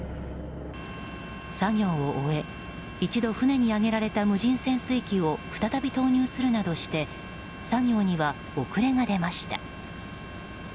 作業を終え、一度船に上げられた無人潜水機を再び投入するなどして作業には遅れが出ました。